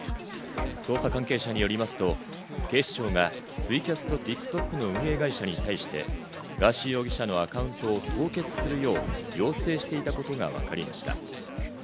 捜査関係者によりますと、警視庁がツイキャスとＴｉｋＴｏｋの運営会社に対して、ガーシー容疑者のアカウントを凍結するよう要請していたことがわかりました。